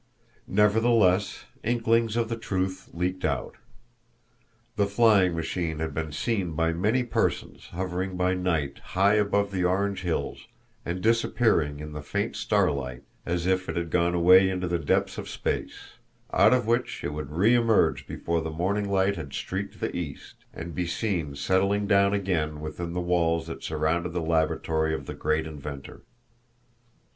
Nevertheless, inklings of the truth leaked out. The flying machine had been seen by many persons hovering by night high above the Orange hills and disappearing in the faint starlight as if it had gone away into the depths of space, out of which it would re emerge before the morning light had streaked the east, and be seen settling down again within the walls that surrounded the laboratory of the great inventor.